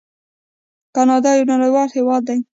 کاناډا یو نړیوال هیواد دی.